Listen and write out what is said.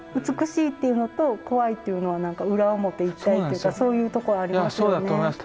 美しいっていうのと怖いっていうのは何か裏表一体っていうかそういうところありますよね。